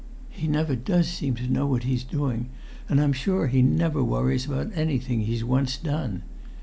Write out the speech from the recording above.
He never does seem to know what he's doing, and I'm sure he never worries about anything he's once done.